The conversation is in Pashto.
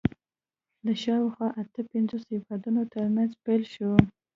د شاوخوا اته پنځوس هېوادونو تر منځ پیل شوي